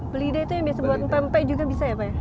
belida itu yang biasa buat pempek juga bisa ya pak ya